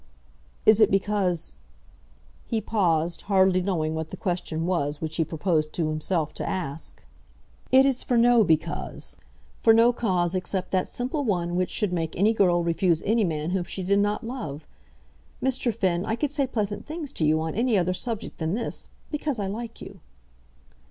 "Is it because ?" He paused, hardly knowing what the question was which he proposed to himself to ask. "It is for no because, for no cause except that simple one which should make any girl refuse any man whom she did not love. Mr. Finn, I could say pleasant things to you on any other subject than this, because I like you."